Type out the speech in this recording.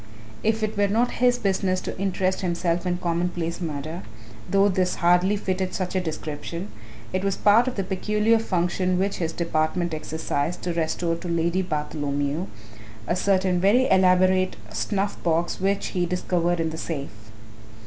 If it were not his business to interest himself in commonplace murder though this hardly fitted such a description it was part of the peculiar function which his department exercised to restore to Lady Bartholomew a certain very elaborate snuff box which he discovered in the safe.